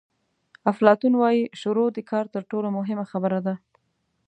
افلاطون وایي شروع د کار تر ټولو مهمه برخه ده.